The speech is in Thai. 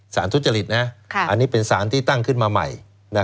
ทุจริตอันนี้เป็นสารที่ตั้งขึ้นมาใหม่